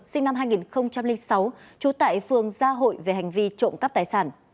sinh năm hai nghìn sáu trú tại phường gia hội về hành vi trộm cắp tài sản